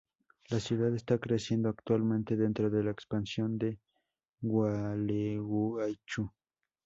La ciudad está creciendo actualmente dentro de la expansión de Gualeguaychú.